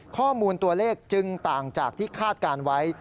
ข้อมูลตัวเลขจึงต่างจากที่คาดการณ์ไว้